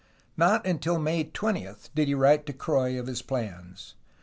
Not until May 20 did he write to Croix of his plans.